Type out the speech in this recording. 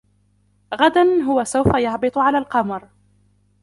غداً هو سوف يهبط على القمر.